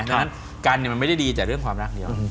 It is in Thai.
ดังนั้นการเนี่ยมันไม่ได้ดีจากเรื่องความรักเนี่ย